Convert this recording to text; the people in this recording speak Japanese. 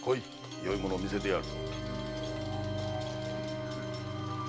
よいものを見せてやる。